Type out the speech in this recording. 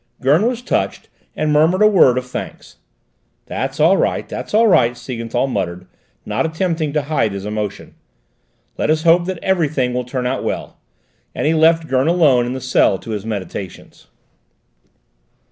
Gurn was touched and murmured a word of thanks. "That's all right, that's all right," Siegenthal muttered, not attempting to hide his emotion; "let us hope that everything will turn out well," and he left Gurn alone in the cell to his meditations.